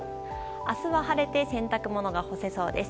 明日は晴れて洗濯物が干せそうです。